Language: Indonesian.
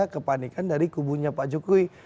kepanikan dari kubunya pak jokowi